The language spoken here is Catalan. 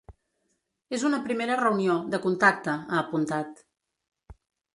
És una primera reunió, de contacte, ha apuntat.